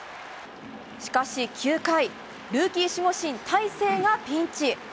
しかし９回、ルーキー守護神大勢がピンチ。